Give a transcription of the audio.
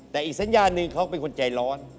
แต่อีกสัญญาณหนึ่งเขาเป็นคนใจร้อน